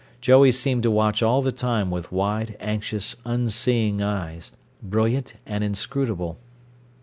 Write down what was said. Joey seemed to watch all the time with wide, anxious, unseeing eyes, brilliant and inscrutable.